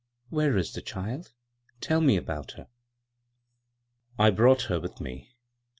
"Where is the child? Tell me about her." "I brought her with me."